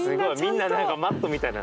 みんな何かマットみたいな。